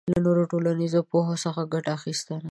له نورو ټولنیزو پوهو څخه ګټه اخبستنه